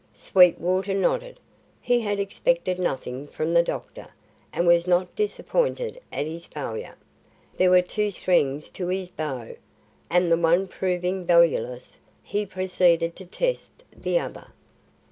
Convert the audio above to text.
Sweetwater nodded; he had expected nothing from the doctor, and was not disappointed at his failure. There were two strings to his bow, and the one proving valueless, he proceeded to test the other.